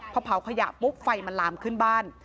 พอเผาขยะปุ๊บไฟมันลามขึ้นบ้าน